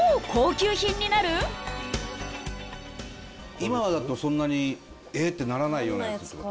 今だとそんなに「えっ！？」ってならないようなやつってこと。